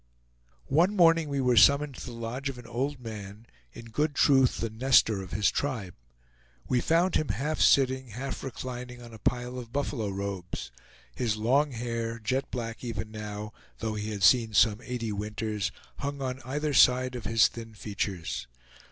One morning we were summoned to the lodge of an old man, in good truth the Nestor of his tribe. We found him half sitting, half reclining on a pile of buffalo robes; his long hair, jet black even now, though he had seen some eighty winters, hung on either side of his thin features.